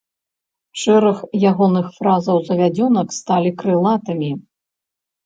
Шэраг ягоных фразаў-завядзёнак сталі крылатымі.